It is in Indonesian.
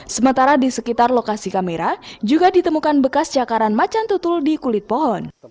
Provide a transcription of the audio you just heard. sementara di sekitar lokasi kamera juga ditemukan bekas cakaran macan tutul di kulit pohon